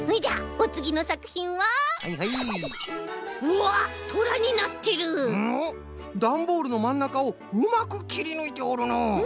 おっダンボールのまんなかをうまくきりぬいておるのう。